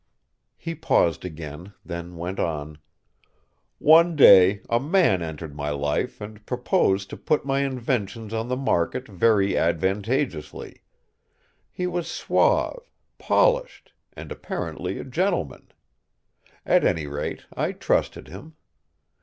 He paused again, then went on: "One day, a man entered my life and proposed to put my inventions on the market very advantageously. He was suave, polished, and apparently a gentleman. At any rate, I trusted him.